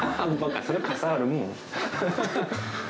それ傘あるもん。